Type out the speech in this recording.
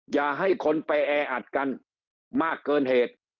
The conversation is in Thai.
อย่าให้คนไปแออัดกันมากเกินเหตุ